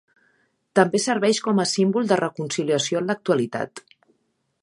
També serveix com a símbol de reconciliació en l'actualitat.